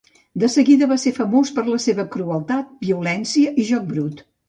De seguida va ser famós per la seva crueltat, violència i joc brut.